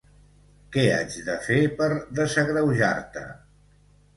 Què haig de fer per desagreujar-te?